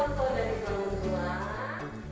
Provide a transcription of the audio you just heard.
contoh dari keluarga